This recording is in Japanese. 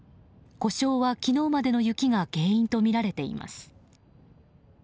呼称は昨日までの雪が原因とみられています。